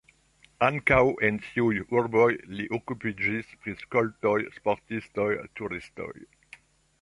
Ankaŭ en tiuj urboj li okupiĝis pri skoltoj, sportistoj, turistoj.